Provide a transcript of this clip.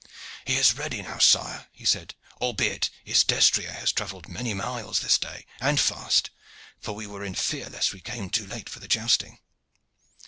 "He is now ready, sire," he said, "albeit his destrier has travelled many miles this day, and fast, for we were in fear lest we come too late for the jousting."